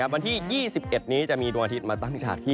วันที่๒๑นี้จะมีดวงอาทิตย์มาตั้งฉากที่